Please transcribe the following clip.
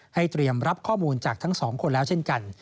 เตรียมรับข้อมูลจากทั้งสองคนแล้วเช่นกัน